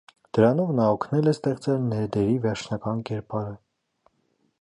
Դրանով նա օգնել է ստեղծել ներդերի վերջնական կերպարը։